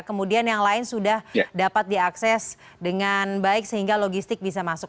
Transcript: kemudian yang lain sudah dapat diakses dengan baik sehingga logistik bisa masuk